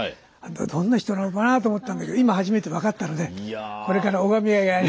どんな人なのかなと思ったんだけど今初めて分かったのでこれから拝みがいがある。